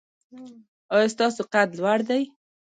ایا ستاسو قد لوړ دی؟